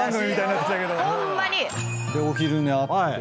でお昼寝あって。